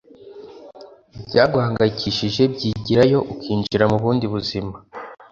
ibyaguhangayikishije byigirayo ukinjira mu bundi buzima